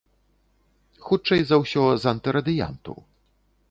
Хутчэй за ўсё, з антырадыянту.